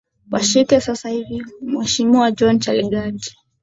washike sasa hivi muhesimiwa john chiligati